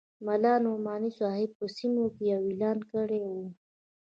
ملا نعماني صاحب په سیمو کې یو اعلان کړی وو.